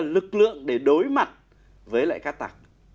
lực lượng để đối mặt với lại các tạc